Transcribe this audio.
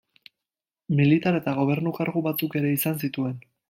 Militar eta gobernu-kargu batzuk ere izan zituen.